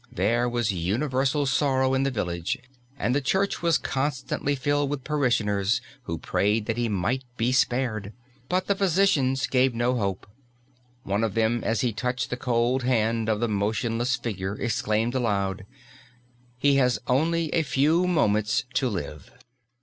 There was universal sorrow in the village and the church was constantly filled with parishioners who prayed that he might be spared. But the physicians gave no hope. One of them as he touched the cold hand of the motionless figure, exclaimed aloud: "He has only a few moments to live."